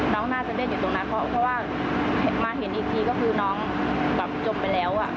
น้องน่าจะเล่นอยู่ตรงนั้นเพราะว่ามาเห็นอีกทีก็คือน้องแบบจมไปแล้ว